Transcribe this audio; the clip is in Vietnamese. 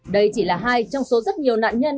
đây chỉ là hai trong số rất nhiều nạn nhân